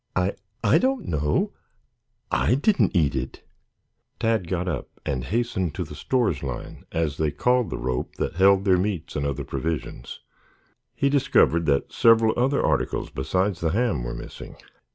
"I I don't know. I didn't eat it." Tad got up and hastened to the "stores line," as they called the rope that held their meats and other provisions. He discovered that several other articles besides the ham were missing.